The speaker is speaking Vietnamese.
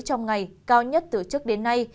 trong ngày cao nhất từ trước đến nay